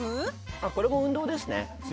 これも運動ですね。